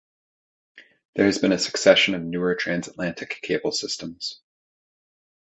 There have been a succession of newer transatlantic cable systems.